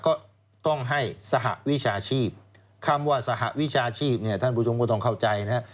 ก็ต้องให้สหวิชาชีพคำว่าสหวิชาชีพเนี่ยท่านผู้ชมก็ต้องเข้าใจนะฮะ